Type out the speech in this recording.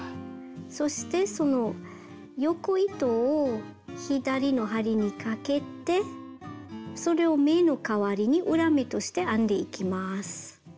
そしてその横糸を左の針にかけてそれを目の代わりに裏目として編んでいきます。